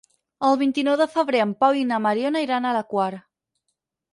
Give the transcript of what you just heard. El vint-i-nou de febrer en Pau i na Mariona iran a la Quar.